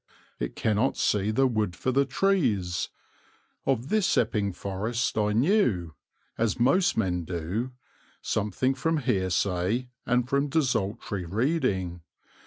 It cannot see the wood for the trees. Of this Epping Forest I knew, as most men do, something from hearsay and from desultory reading.